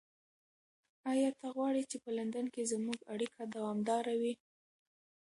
ایا ته غواړې چې په لندن کې زموږ اړیکه دوامداره وي؟